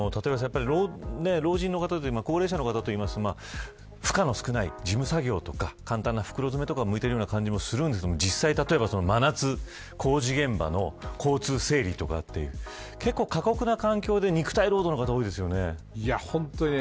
老人の方でも高齢者の方といいますと負荷の少ない事務作業とか簡単な袋詰めとかが向いている感じするんですが実際、真夏工事現場の交通整理とか結構、過酷な環境で肉体労働の方、多いですよね。